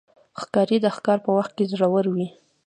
ښکاري د ښکار په وخت کې زړور وي.